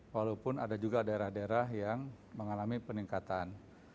walaupun ada juga daerah daerah yang mengalami peningkatan